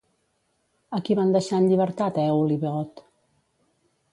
A qui van deixar en llibertat Èol i Beot?